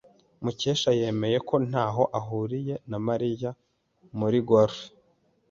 Mukesha yemeye ko ntaho ahuriye na Mariya muri golf.